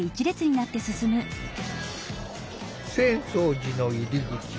浅草寺の入り口